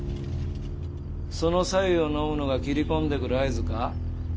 その白湯を飲むのが斬り込んでくる合図か？